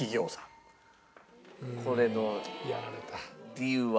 理由は？